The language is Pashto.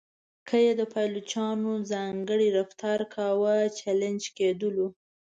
که یې د پایلوچانو ځانګړی رفتار کاوه چلنج کېدلو.